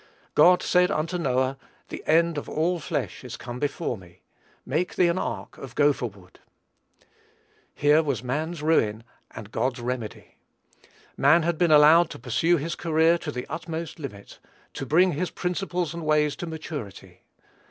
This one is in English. "God said unto Noah, The end of all flesh is come before me.... Make thee an ark of gopher wood." Here was man's ruin, and God's remedy. Man had been allowed to pursue his career to the utmost limit, to bring his principles and ways to maturity.